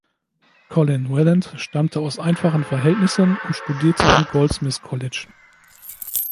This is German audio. Colin Welland stammte aus einfachen Verhältnissen und studierte am Goldsmiths College.